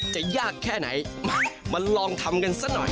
จะยากแค่ไหนมาลองทำกันซะหน่อย